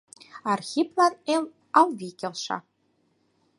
Архиплан Алвий келша.